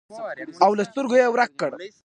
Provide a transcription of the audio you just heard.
او له سترګو یې ورک کړ.